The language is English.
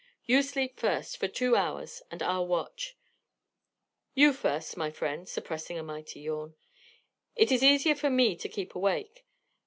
You sleep first, for two hours, and I'll watch " "You first, my friend " Suppressing a mighty yawn. "It is easier for me to keep awake.